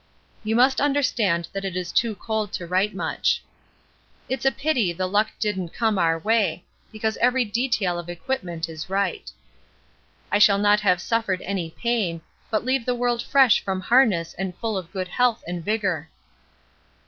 You must understand that it is too cold to write much. ... It's a pity the luck doesn't come our way, because every detail of equipment is right. I shall not have suffered any pain, but leave the world fresh from harness and full of good health and vigour.